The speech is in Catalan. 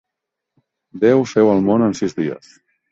Déu feu el món en sis dies.